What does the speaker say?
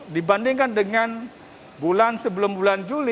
ini yang ditutup juga artinya hanya sektor esensial saja yang semestinya boleh buka